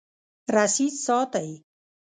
رسید ساتئ